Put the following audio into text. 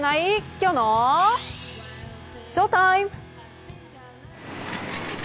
今日のＳＨＯＴＩＭＥ。